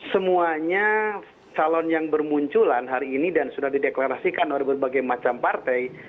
semuanya calon yang bermunculan hari ini dan sudah dideklarasikan oleh berbagai macam partai